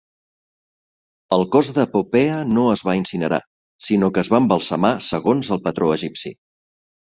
El cos de Popea no es va incinerar, sinó que es va embalsamar, segons el patró egipci.